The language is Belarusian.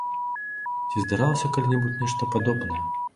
Ці здаралася калі-небудзь нешта падобнае?